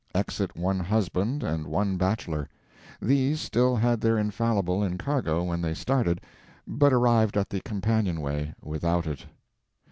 Exit one husband and one bachelor. These still had their infallible in cargo when they started, but arrived at the companionway without it.